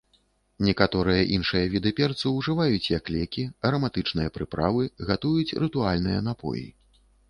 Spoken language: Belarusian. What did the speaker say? Некаторыя іншыя віды перцу ўжываюць як лекі, араматычныя прыправы, гатуюць рытуальныя напоі.